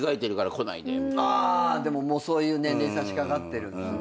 でももうそういう年齢にさしかかってるんですね。